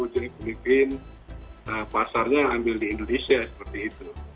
jadi pemimpin pasarnya ambil di indonesia seperti itu